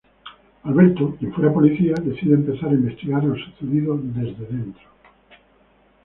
Alberto, quien fuera policía, decide empezar a investigar lo sucedido desde dentro.